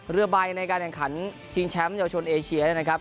เรือใบในการแข่งขันชิงแชมป์เยาวชนเอเชียเนี่ยนะครับ